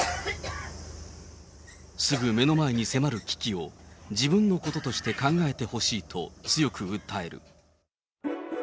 すぐ目の前に迫る危機を、自分のこととして考えてほしいと強く訴える。